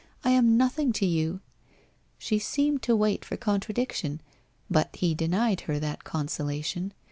I am nothing to you ' She seemed to wait for contradiction, but he denied her that consolation.